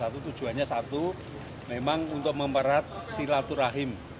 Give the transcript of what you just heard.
satu tujuannya satu memang untuk memperat silaturahim